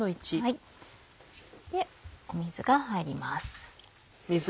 水が入ります。